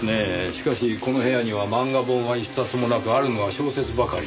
しかしこの部屋には漫画本は１冊もなくあるのは小説ばかり。